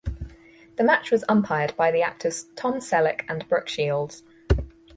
The match was umpired by the actors Tom Selleck and Brooke Shields.